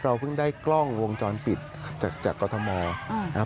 เพิ่งได้กล้องวงจรปิดจากกรทมนะครับ